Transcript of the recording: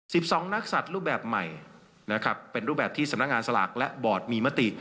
สิบสองนักสัตว์รูปแบบใหม่นะครับเป็นรูปแบบที่สำนักงานสลากและบอร์ดมีมติ